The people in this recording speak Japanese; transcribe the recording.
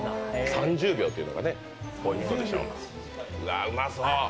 ３０秒というのがポイントでしょう、うまそう。